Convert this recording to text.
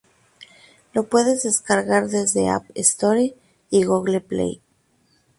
Lo puedes descargar desde App Store y Google Play.